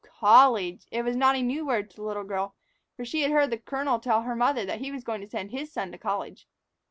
College! It was not a new word to the little girl, for she had heard the colonel tell her mother that he was going to send his son to college.